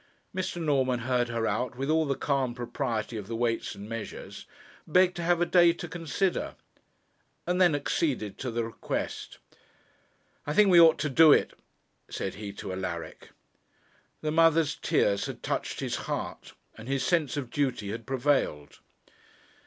Mr. Norman heard her out with all the calm propriety of the Weights and Measures, begged to have a day to consider, and then acceded to the request. 'I think we ought to do it,' said he to Alaric. The mother's tears had touched his heart, and his sense of duty had prevailed.